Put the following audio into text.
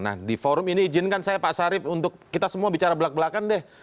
nah di forum ini izinkan saya pak sarif untuk kita semua bicara belak belakan deh